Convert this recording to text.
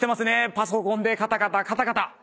パソコンでカタカタカタカタ。